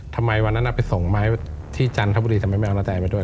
ทำไมวันนั้นไปส่งไม้ที่จันทบุรีทำไมไม่เอานาแตไปด้วย